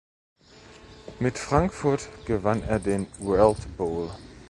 Mit Frankfurt gewann er den World Bowl.